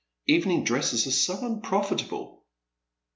Evening dresses are so unprofitable."